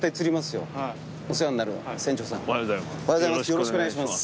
よろしくお願いします。